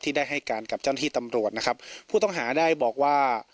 ได้ให้การกับเจ้าหน้าที่ตำรวจนะครับผู้ต้องหาได้บอกว่า